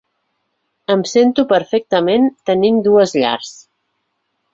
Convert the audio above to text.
Em sento perfectament tenint dues llars.